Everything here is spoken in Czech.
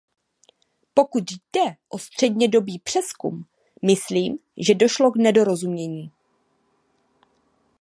Pokud jde o střednědobý přezkum, myslím, že došlo k nedorozumění.